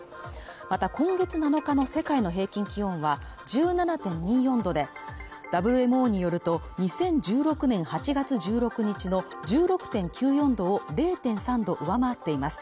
また今月７日の世界の平均気温は１７．２４度で、ＷＭＯによると、２０１６年８月１６日の１６．９４度を０．３度上回っています。